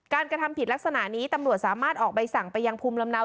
กระทำผิดลักษณะนี้ตำรวจสามารถออกใบสั่งไปยังภูมิลำเนา